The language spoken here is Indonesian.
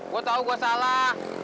gua tau gua salah